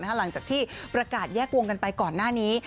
หลังจากที่ประกาศแยกวงกันไปก่อนหน้านี้